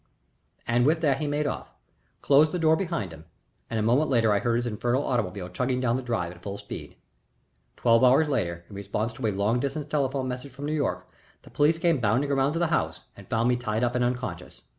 And with that he made off, closing the door behind him, and a moment later I heard his infernal automobile chugging down the drive at full speed. Twelve hours later, in response to a long distance telephone message from New York, the police came bounding around to the house, and found me tied up and unconscious.